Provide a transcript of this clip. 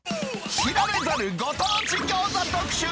知られざるご当地餃子特集。